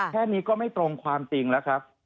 แค่นี้ก็ไม่ตรงความจริงแล้วครับ